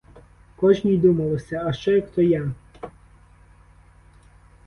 Кожній думалося: а що, як то я?